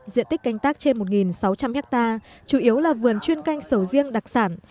diện tích canh tác trên một sáu trăm linh hectare chủ yếu là vườn chuyên canh sầu riêng đặc sản